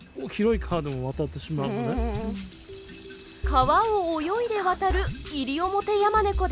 川を泳いで渡るイリオモテヤマネコです。